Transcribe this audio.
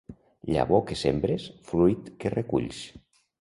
Llavor que sembres, fruit que reculls.